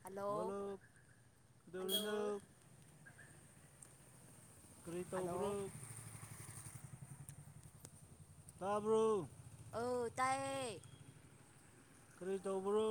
hello ꯍꯂꯨ ꯀꯩꯗꯧꯔꯤꯅꯣ hello ꯀꯔꯤ ꯍꯜꯂꯣ ꯇꯧꯕ꯭ꯔꯣ ꯇꯥꯕ꯭ꯔꯣ ꯑꯧ ꯇꯥꯏꯌꯦ ꯀꯔꯤ ꯇꯧꯕ꯭ꯔꯣ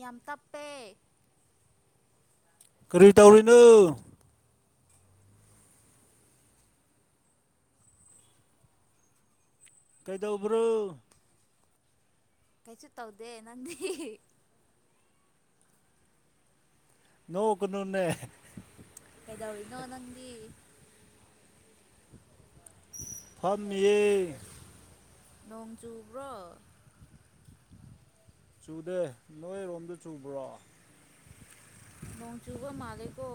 ꯌꯥꯝ ꯇꯞꯄꯦ ꯀꯔꯤ ꯇꯧꯔꯤꯅꯣ ꯀꯩꯗꯧꯕ꯭ꯔꯣ ꯀꯩꯁꯨ ꯇꯥꯎꯗꯦ ꯅꯪꯗꯤ ꯅꯣꯀꯅꯨꯅꯦ ꯀꯩꯗꯧꯔꯤꯅꯣ ꯅꯪꯗꯤ ꯐꯝꯃꯤꯌꯦ ꯅꯣꯡ ꯆꯨꯕ꯭ꯔꯣ ꯆꯨꯗꯦ ꯅꯣꯏꯔꯣꯝꯗ ꯆꯨꯕ꯭ꯔꯣ ꯅꯣꯡ ꯆꯨꯕ ꯃꯥꯂꯦꯀꯣ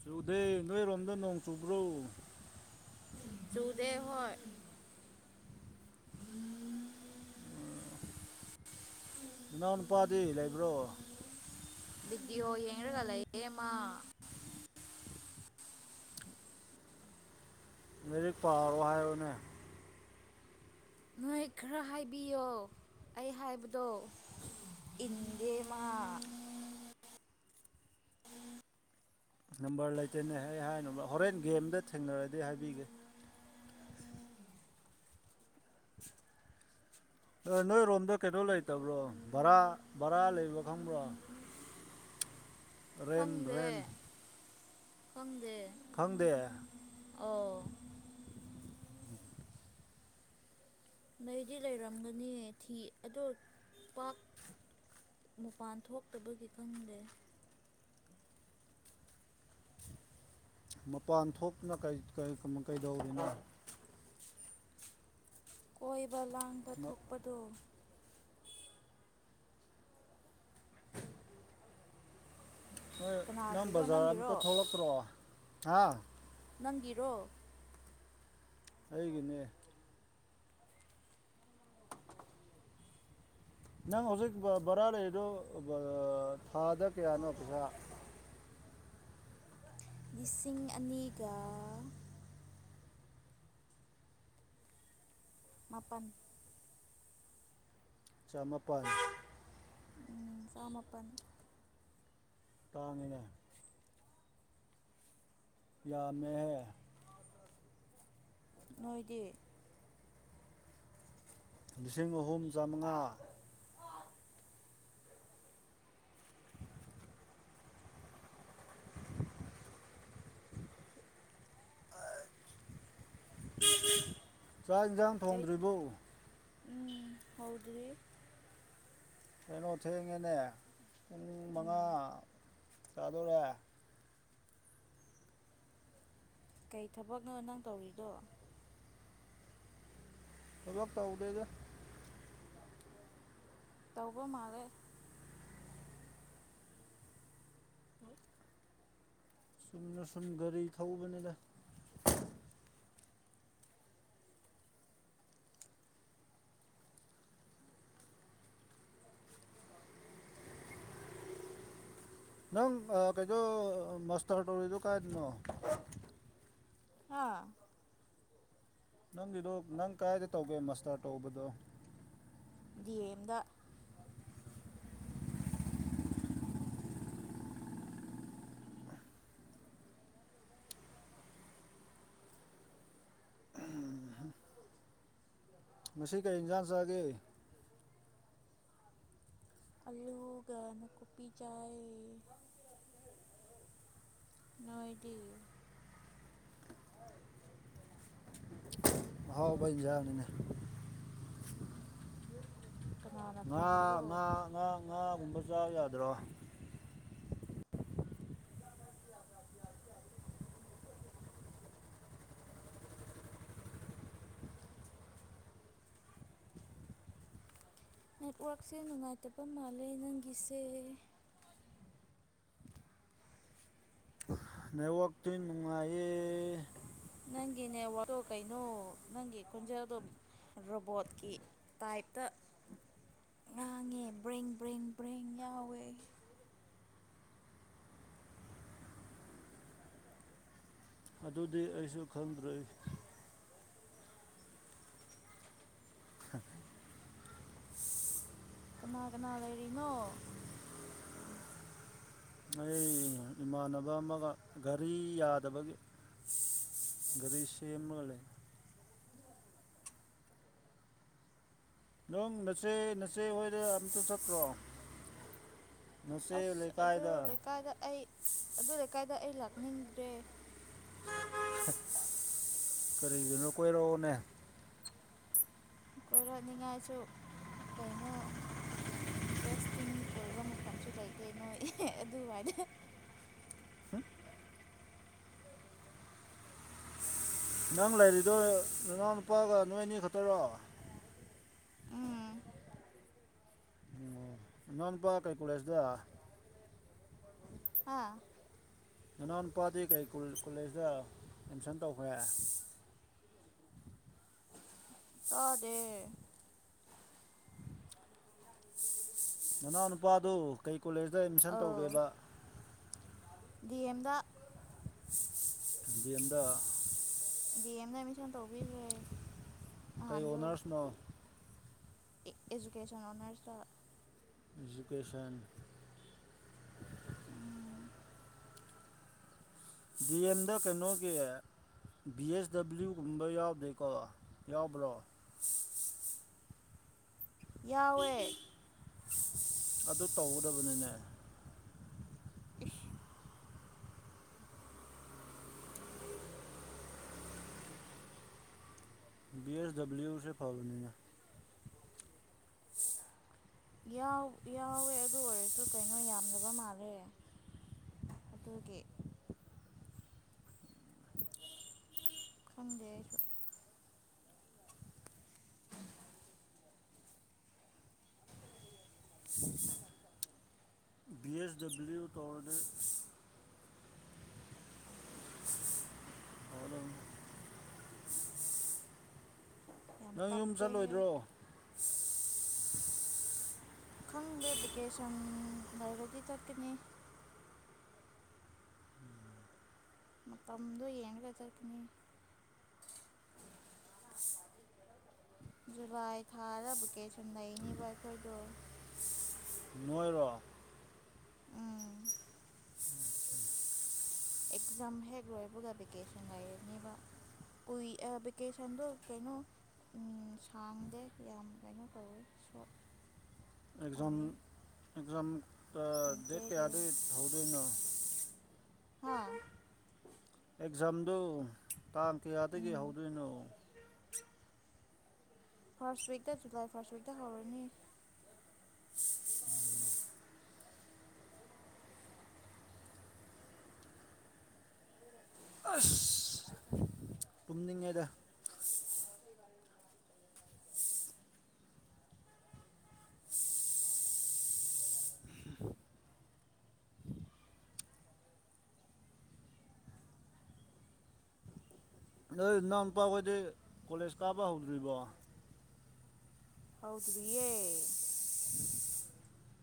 ꯆꯨꯗꯩ ꯅꯣꯏꯔꯣꯝꯗ ꯅꯣꯡ ꯆꯨꯕ꯭ꯔꯣ ꯆꯨꯗꯦ ꯍꯣꯏ ꯃꯅꯥꯎ ꯅꯨꯨꯄꯥꯗꯤ ꯂꯩꯕ꯭ꯔꯣ ꯕꯤꯠꯇꯣ ꯌꯦꯉꯒꯂꯑꯃ ꯃꯦꯔꯤꯛ ꯄꯥꯔꯣ ꯍꯥꯏꯔꯣꯅꯦ ꯅꯣꯏ ꯈꯔ ꯍꯥꯏꯕꯤꯌꯣ ꯑꯩ ꯍꯥꯏꯕꯗꯣ ꯏꯟꯗꯦ ꯃꯥ ꯅꯝꯕꯔ ꯂꯩꯇꯦꯅꯦ ꯑꯩ ꯍꯥꯏꯅ ꯍꯣꯔꯦꯟ ꯒꯦꯝꯗ ꯊꯦꯡꯅꯔꯗꯤ ꯍꯥꯏꯕꯤꯒꯦ ꯅꯣꯏ ꯔꯣꯝꯗ ꯀꯩꯩꯅꯣ ꯂꯩꯇꯕ꯭ꯔꯣ ꯚꯔꯥ ꯚꯔꯥ ꯂꯩꯕ ꯈꯪꯕ꯭ꯔꯣ ꯔꯦꯟ ꯔꯦꯟ ꯈꯪ ꯐꯪꯗꯦ ꯎꯝ ꯅꯣꯏꯗꯤ ꯂꯩꯔꯝꯒꯅꯤ ꯊꯤ ꯑꯣ ꯄꯥꯛ ꯃꯄꯥꯟ ꯊꯣꯛꯇꯕꯒꯤ ꯈꯪꯗꯦ ꯃꯄꯥꯟ ꯊꯣꯛꯇꯅ ꯀꯩꯗꯧꯕꯅꯣ ꯑꯣꯏꯣꯏ ꯂꯥꯡꯕ ꯃ- ꯊꯣꯛꯄꯗꯣ ꯍꯣꯏ ꯅꯪ ꯀꯅꯥꯒꯤꯔꯣ ꯕꯖꯥꯔ ꯑꯇ ꯅꯪꯒꯤꯔꯣ ꯊꯣꯛꯂꯛꯇ꯭ꯔꯣ ꯑꯥ ꯅꯪꯒꯤꯔꯣ ꯑꯩꯒꯤꯅꯦ ꯅꯪ ꯍꯧꯖꯤꯛ ꯕꯔꯥ ꯂꯩꯔꯤꯗ ꯊꯥꯗ ꯀꯌꯥꯅꯣ ꯄꯩꯁꯥ ꯂꯤꯁꯤꯡ ꯑꯅꯤꯒ ꯃꯥꯄꯜ ꯆꯃꯥꯄꯜ ꯆꯥꯃꯄꯟ ꯇꯥꯡꯅ ꯌꯥ ꯃ ꯅꯣꯏꯗꯤ ꯂꯤꯁꯤꯡ ꯑꯍꯨꯝ ꯆꯥꯃꯉꯥ ꯎꯝ ꯎꯝ ꯆꯥꯛ ꯌꯦꯟꯁꯥꯡ ꯀꯩ ꯊꯣꯡꯗ꯭ꯔꯤꯕꯣ ꯎꯝ ꯍꯥꯎꯗꯔꯤ ꯐꯩꯅꯣ ꯑꯣꯊꯦꯅꯦ ꯎꯨꯡ ꯃꯉꯥ ꯆꯥꯗꯨꯔꯦ ꯀꯩ ꯊꯕꯛꯅꯣ ꯅꯪ ꯇꯧꯔꯤꯗꯣ ꯍꯂꯣ ꯇꯧꯗꯦꯗ ꯇꯧꯕꯧꯕ ꯃꯥꯔꯦ ꯁꯨꯝꯅ ꯁꯨꯝ ꯒꯥꯔꯤ ꯊꯧꯕꯅꯤꯅ ꯅꯪ ꯀꯩꯗꯣ ꯃꯥꯁꯇꯔ ꯇꯧꯔꯤꯗ ꯀꯥꯏꯗꯅꯣ ꯑꯥ ꯅꯪꯒꯤꯗꯣ ꯅꯪ ꯀꯗꯥꯥꯏꯗ ꯇꯧꯒꯦ ꯃꯁꯇꯔ ꯇꯧꯕꯗꯣ ꯗꯤ ꯑ ꯑꯦꯝꯗ ꯃꯁꯤ ꯀꯔꯤ ꯌꯦꯟꯁꯥꯡ ꯆꯥꯒꯦ ꯑꯂꯨꯒꯥꯟ ꯀꯣꯄꯤ ꯆꯥꯏ ꯅꯣꯏꯗꯤ ꯑꯥꯎ ꯌꯥꯅꯤꯡꯅꯦ ꯀꯅꯥꯅ ꯉꯥ ꯊꯣꯡꯕ꯭ꯔꯣ ꯉꯥ ꯉꯥ ꯉꯥꯒꯨꯝꯕ ꯆꯥ ꯌꯥꯗ꯭ꯔꯣ [inaudible] ꯅꯦꯠꯋꯔꯛꯁꯦ ꯅꯨꯡꯉꯥꯏꯇꯕ ꯃꯥꯜꯂꯦ ꯅꯪꯒꯤꯁꯦ ꯅꯦꯠꯋꯥꯛꯇꯨ ꯅꯨꯡꯉꯥꯏꯌꯦ ꯅꯪꯒꯤ ꯅꯦꯠꯋꯥꯛꯛꯇꯣ ꯀꯩꯅꯣ ꯅꯪꯒꯤ ꯈꯣꯟꯖꯦꯜꯗꯣ ꯔꯣꯕꯣꯠꯀꯤ ꯇꯥꯏꯞꯇ ꯉꯥꯡꯉꯦ ꯕ꯭ꯔꯤꯡ ꯕ꯭ꯔꯤꯡ ꯕ꯭ꯔꯤꯡ ꯌꯥꯎꯋꯦ ꯑꯗꯨꯗꯤ ꯑꯩꯁꯨ ꯈꯪꯗ꯭ꯔꯦ [inaudible] ꯀꯅꯥ ꯀꯅꯥ ꯂꯩꯔꯤꯅꯣ ꯑꯩ ꯏꯃꯥꯟꯅꯕ ꯑꯃꯒ ꯒꯔꯤ ꯌꯥꯗꯕꯒꯤ ꯒꯥꯔꯤ ꯁꯦꯝꯃꯒ ꯂꯩ ꯅꯪ ꯅꯆꯦ ꯅꯆꯦ ꯍꯣꯏꯗ ꯑꯝꯇ ꯆꯠꯇ꯭ꯔꯣ ꯅꯆꯦ ꯑꯁ ꯑꯗꯨ ꯂꯩꯀꯥꯏꯗ ꯂꯩꯀꯥꯏꯗ ꯑꯩ ꯑꯗꯨ ꯂꯩꯀꯥꯏꯗ ꯑꯩ ꯂꯥꯛꯅꯤꯡꯗ꯭ꯔꯦ ꯀꯔꯤꯒꯤꯅꯣ ꯀꯣꯏꯔꯛꯑꯣꯅꯦ ꯈꯣꯏꯔꯛꯅꯤꯉꯥꯏꯁꯨ ꯀꯩꯅꯣ ꯏꯟꯇꯔꯦꯁꯇꯤꯡ ꯑꯣꯏꯕ ꯃꯐꯝꯁꯨ ꯂꯩꯇꯦ ꯅꯣꯏ ꯑꯗꯨꯋꯥꯏꯗ ꯅꯪ ꯂꯩꯔꯤꯗꯣ ꯅꯅꯥꯎꯅꯨꯄꯥꯒ ꯅꯣꯏ ꯑꯅꯤ ꯈꯛꯇꯔꯣ ꯎꯝ ꯑꯣ ꯅꯅꯥꯎ ꯅꯨꯄꯥ ꯀꯩ ꯀꯣꯂꯦꯖꯗ ꯑꯥ ꯅꯅꯥꯎ ꯅꯨꯄꯥꯗꯤ ꯀꯩ ꯀꯣꯂꯦꯖꯇ ꯑꯦꯠꯃꯤꯁꯟ ꯇꯧꯈ꯭ꯔꯦ ꯇꯗꯦ ꯅꯅꯥꯎ ꯅꯨꯗꯣ ꯀꯩ ꯀꯣꯂꯦꯖꯇ ꯑꯦꯠꯃꯤꯁꯟ ꯑꯧ ꯇꯧꯒꯦꯕ ꯗꯤ ꯑꯦꯝꯗ ꯗꯤ ꯑꯦꯝꯗ ꯗꯤꯑꯦꯝꯗ ꯑꯦꯃꯤꯁꯟ ꯑꯩꯅꯥ ꯇꯧꯕꯤꯈ꯭ꯔꯦ ꯀꯩ ꯅꯍꯥꯟꯗꯣ ꯑꯣꯅꯔꯁꯅꯣ ꯑꯦꯖꯨꯀꯦꯁꯟ ꯑꯣꯅꯔꯁ ꯑꯦꯖꯨꯀꯦꯁꯟ ꯗꯤ ꯑꯦꯝꯗ ꯀꯩꯅꯣꯒꯤ ꯚꯤ ꯑꯦꯁ ꯗꯕ꯭ꯂꯤꯎꯒꯨꯝꯕ ꯌꯥꯎꯗꯦꯀꯣ ꯌꯥꯎꯕ꯭ꯔꯣ ꯌꯥꯎꯋꯦ ꯑꯗꯨ ꯇꯧꯒꯗꯕꯅꯤꯅꯦ ꯏꯁ ꯕꯤ ꯑꯦꯁ ꯗꯕ꯭ꯂꯤꯌꯎꯁꯦ ꯐꯕꯅꯤꯅꯦ ꯌꯥꯎ ꯌꯥꯎꯋꯦ ꯑꯗꯨ ꯑꯣꯏꯔꯁꯨ ꯀꯩꯅꯣ ꯌꯥꯝꯗꯕ ꯃꯥꯜꯂꯦ ꯑꯗꯨꯒꯤ ꯈꯪꯗꯦ ꯑꯩꯁꯨ ꯕꯤ ꯑꯦꯁ ꯗꯕꯂꯤꯌꯨ ꯇꯧ ꯔꯗꯤ ꯐꯒꯗꯕꯅꯤ ꯌꯥꯝ ꯅꯪ ꯌꯨꯝ ꯇꯞꯄꯦꯍꯦ ꯆꯠꯂꯣꯏꯗ꯭ꯔꯣ ꯈꯪꯗꯦ ꯚꯦꯀꯦꯁꯟ ꯂꯩꯔꯗꯤ ꯆꯠꯀꯅꯤ ꯃꯇꯝꯗꯣ ꯌꯦꯡꯉꯒ ꯆꯠꯀꯅꯤ ꯖꯨꯂꯥꯏ ꯊꯥꯗ ꯚꯦꯀꯦꯁꯟ ꯂꯩꯅꯤꯕ ꯑꯩꯈꯣꯏꯗꯣ ꯅꯣꯏꯔꯣ ꯎꯝ ꯑꯦꯛꯖꯥꯝ ꯍꯦꯛ ꯂꯣꯏꯕꯒ ꯚꯦꯀꯦꯁꯟ ꯂꯩꯔꯅꯦꯕ ꯀꯨꯏ ꯚꯦꯀꯦꯁꯟꯗꯣ ꯀꯩꯅꯣ ꯁꯥꯡꯗꯦ ꯌꯥꯝ ꯀꯩꯅꯣ ꯇꯧꯋꯦ ꯁ ꯑꯦꯛꯖꯥꯝ ꯑꯦꯛꯖꯥꯝ ꯑ ꯌꯥꯝ ꯗꯦꯠ ꯇꯦꯜꯂꯦ ꯀꯌꯥꯗ ꯍꯧꯗꯣꯏꯅꯣ ꯍꯥ ꯑꯦꯛꯖꯝꯗꯨ ꯇꯥꯡ ꯀꯌꯥꯗꯒꯤ ꯎꯝ ꯍꯧꯗꯣꯏꯅꯣ ꯐꯥꯔꯁ ꯋꯤꯛꯇ ꯖꯨꯂꯥꯏ ꯐꯥꯔꯁ ꯋꯤꯛꯇ ꯍꯧꯔꯅꯤ ꯑꯁ ꯇꯨꯝꯅꯤꯡꯉꯦꯗ ꯅꯣꯏ ꯅꯥꯎꯄꯥꯈꯣꯏꯗꯤ ꯀꯣꯂꯦꯖ ꯀꯥꯕ ꯍꯧꯗ꯭ꯔꯤꯕꯣ ꯍꯧꯗ꯭ꯔꯤꯌꯦ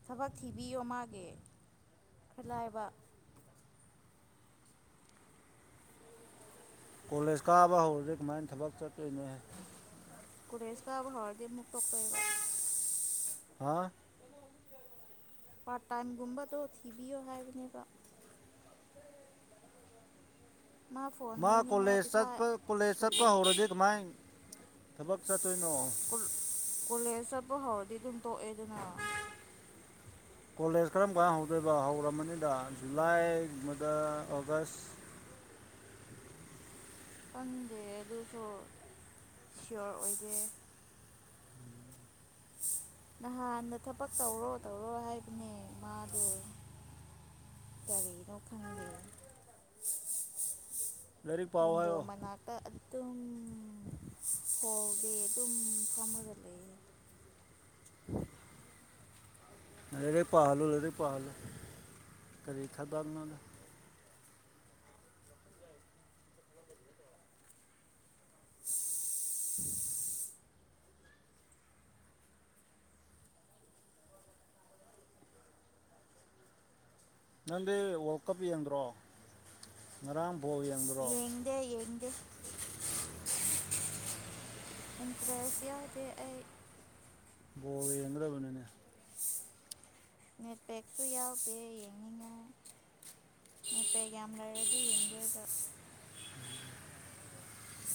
ꯊꯕꯛ ꯊꯤꯕꯤꯌꯣ ꯃꯥꯒꯤ ꯈꯔ ꯂꯥꯏꯕ ꯀꯣꯂꯦꯖ ꯀꯥꯕ ꯍꯧꯔꯗꯤ ꯀꯃꯥꯏꯅ ꯊꯕꯛ ꯆꯠꯇꯣꯏꯅꯣ ꯍꯦ ꯀꯨꯔꯦꯁ ꯀꯥꯕ ꯍꯔꯗꯤꯃꯨꯛ ꯄꯣꯛꯄꯑꯕ ꯍꯥ ꯄꯥꯔꯠ ꯇꯥꯏꯝꯒꯨꯝꯕꯗꯣ ꯊꯤꯕꯤꯌꯣ ꯍꯥꯏꯕꯅꯦꯕ ꯐꯣꯟ ꯃꯥ ꯂꯩꯅꯤꯡꯉꯥꯏ ꯀꯣꯂꯦꯁ ꯄꯩꯁꯥ ꯆꯠꯄ ꯀꯣꯂꯦꯁ ꯆꯠꯄ ꯁꯨꯗꯦ ꯍꯧꯔꯗꯤ ꯀꯃꯥꯏ ꯊꯕꯛ ꯆꯠꯇꯣꯏꯅꯣ ꯀꯣꯂꯦꯖ ꯆꯠꯄ ꯍꯧꯔꯗꯤ ꯑꯗꯨꯝ ꯇꯣꯛꯑꯦ ꯗꯅ ꯀꯣꯂꯦꯖ ꯀꯔꯝꯀꯥꯟ ꯍꯧꯗꯣꯏꯕ ꯍꯧꯔꯃꯝꯅꯤꯗ ꯖꯨꯂꯥꯏꯒꯨꯝꯕꯗ ꯑꯣꯒꯁ ꯈꯪꯗꯦ ꯑꯗꯨꯁꯨ ꯁꯤꯌꯣꯔ ꯑꯣꯏꯗꯦ ꯅꯍꯥꯟꯗ ꯊꯕꯛ ꯇꯧꯔꯣ ꯇꯧꯔꯣ ꯍꯥꯏꯕꯅꯦ ꯃꯥꯗꯣ ꯀꯔꯤꯅꯣ ꯈꯪꯗꯦ ꯂꯥꯏꯔꯤꯛ ꯄꯥꯎ ꯑꯗꯣ ꯍꯥꯏꯌꯣ ꯃꯅꯥꯀꯇ ꯑꯗꯨꯝ ꯀꯣꯜ ꯗꯤ ꯑꯗꯨꯝ ꯐꯝꯔꯒ ꯂꯩ [inaudible] ꯂꯥꯏꯔꯤꯛ ꯄꯥꯍꯜꯂꯣ ꯂꯥꯏꯔꯤꯛ ꯄꯥꯍꯜꯂꯣ ꯀꯔꯤ ꯈꯥꯗꯥꯡ ꯅꯣꯅꯦ [inaudible] ꯅꯪꯗꯤ ꯋꯥꯔꯜ ꯀꯞ ꯌꯦꯡꯗ꯭ꯔꯣ ꯉꯔꯥꯡ ꯕꯣꯜ ꯌꯦꯡꯗ꯭ꯔꯣ ꯌꯦꯡꯗꯦ ꯌꯦꯡꯗꯦ ꯏꯟꯇꯔꯦꯁ ꯌꯥꯎꯗꯦ ꯑꯩ ꯕꯣꯜ ꯌꯦꯡꯒꯗꯕꯅꯤꯅꯦ ꯅꯦꯠ ꯄꯦꯛꯁꯨ ꯌꯥꯎꯗꯦ ꯌꯦꯡꯅꯤꯡꯉꯥꯏ ꯅꯦꯠꯄꯦꯛ ꯌꯥꯝ ꯂꯩꯔꯗꯤ ꯌꯦꯡꯗꯣꯏꯕ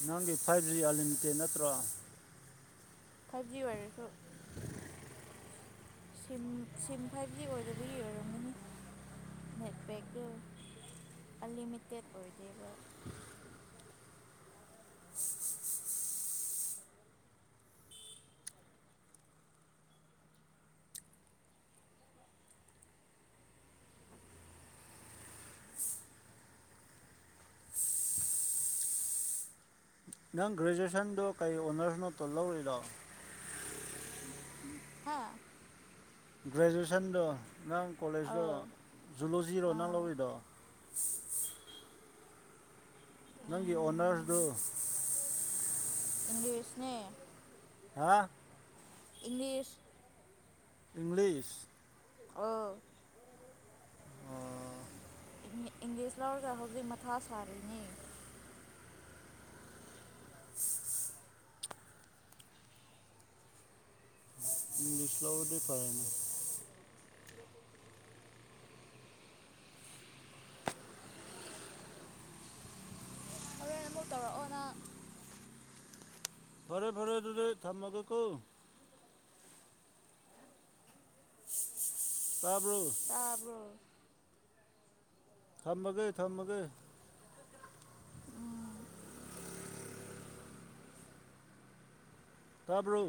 ꯅꯪꯒꯤ ꯐꯥꯏ ꯔꯤꯌꯥꯂꯤꯟꯇꯦ ꯅꯠꯇ꯭ꯔꯣ ꯐꯥꯏꯕ ꯖꯤ ꯑꯣꯏꯔꯁꯨ [inaudible] ꯁꯤꯝ ꯁꯤꯝ ꯐꯥꯏꯚ ꯖꯤ ꯑꯣꯏꯗꯕꯒꯤ ꯑꯣꯏꯔꯝꯒꯅꯤ ꯅꯦꯠꯄꯦꯛꯇꯨ ꯑꯟꯂꯤꯃꯤꯇꯦꯠ ꯑꯣꯏꯗꯦꯕ [inaudible] ꯅꯪ ꯒ꯭ꯔꯦꯖꯨꯋꯦꯁꯟꯗꯣ ꯀꯔꯤ ꯑꯣꯅꯔꯁꯅꯣ ꯇꯣ ꯂꯧꯔꯤꯗꯣ ꯍꯥꯥ ꯒ꯭ꯔꯦꯖꯨꯌꯦꯁꯟꯗꯣ ꯅꯥꯡ ꯀꯣꯂꯦꯖꯇꯣ ꯑꯥ ꯖꯨꯂꯣꯖꯤꯔꯣ ꯅꯪ ꯂꯧꯔꯤꯗꯣ ꯅꯪꯒꯤ ꯑꯣꯅꯔꯁꯗꯨ ꯏꯪꯂꯤꯁ ꯅꯦ ꯍꯥ ꯏꯪꯂꯤꯁ ꯏꯪꯂꯤꯁ ꯑ ꯑꯣ ꯏꯪꯂꯤꯁ ꯂꯧꯔꯒ ꯍꯧꯖꯤꯛ ꯃꯊꯥ ꯁꯥꯔꯤꯅꯤ [inaudible] ꯏꯪꯂꯤꯁ ꯂꯧꯔꯗꯤ ꯐꯔꯦ ꯍꯔꯦ ꯑꯃꯨꯛ ꯇꯧꯔꯛꯑꯣ ꯅꯪ ꯐꯔꯦ ꯐꯔꯦ ꯑꯗꯨꯗꯤ ꯑꯩ ꯊꯝꯃꯒꯦ ꯀꯣ ꯎꯝ ꯇꯥꯕ꯭ꯔꯣ ꯇꯥꯕꯣ ꯊꯝꯃꯒꯦ ꯊꯝꯃꯒꯦ ꯇꯕ꯭ꯔꯨ